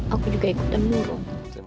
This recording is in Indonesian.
aku juga ikutan murung